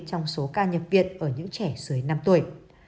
trong số ca nhập viện ở những trẻ dưới năm tuổi